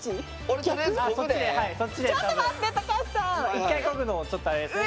一回こぐのをちょっとあれですね。